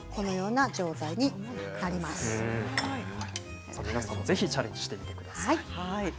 皆さんもぜひチャレンジしてください。